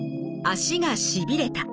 足がしびれた。